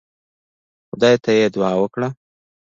خدای ته يې دعا وکړه.